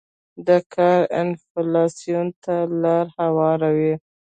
دا کار انفلاسیون ته لار هواروي.